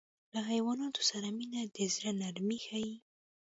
له حیواناتو سره مینه د زړه نرمي ښيي.